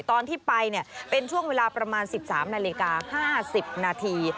ตอนที่ไปเป็นช่วงเวลาประมาณ๑๓นาฬิกา๕๐นาที